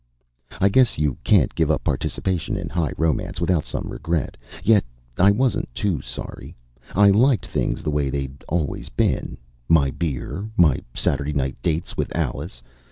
I guess you can't give up participation in high romance without some regret. Yet I wasn't too sorry. I liked things the way they'd always been. My beer. My Saturday night dates with Alice.